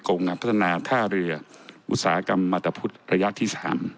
งานพัฒนาท่าเรืออุตสาหกรรมมาตรพุทธระยะที่๓